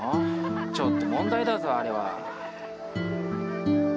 ちょっと問題だぞあれは。